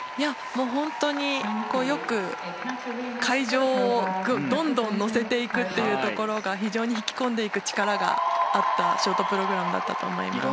本当によく会場をどんどん乗せていくところが非常に引き込んでいく力があったショートプログラムだったと思います。